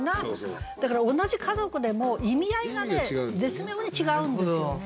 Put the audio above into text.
だから同じ「家族」でも意味合いがね絶妙に違うんですよね。